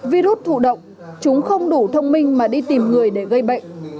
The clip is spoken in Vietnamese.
virus thụ động chúng không đủ thông minh mà đi tìm người để gây bệnh